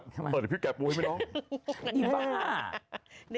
ปูอะเดี๋ยวพี่แกะปูให้ไม่ได้